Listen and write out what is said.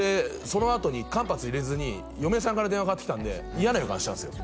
そのあとに間髪入れずに嫁さんから電話かかってきたんで嫌な予感したんすよ